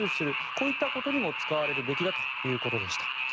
こういったことにも使われるべきということでした。